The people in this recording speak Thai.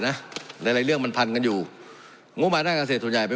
น่ะในอะไรเรื่องมันพันกันอยู่งุมันด้านการเกษตรส่วนใหญ่เป็น